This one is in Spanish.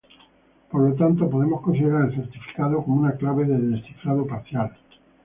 Por tanto podemos considerar el certificado como una clave de descifrado parcial.